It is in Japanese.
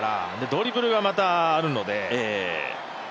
ドリブルがまたあるので。